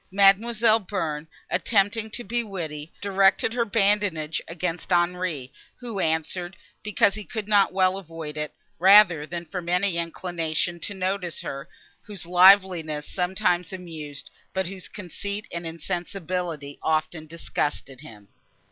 Mademoiselle Bearn, attempting to be witty, directed her badinage against Henri, who answered, because he could not well avoid it, rather than from any inclination to notice her, whose liveliness sometimes amused, but whose conceit and insensibility often disgusted him.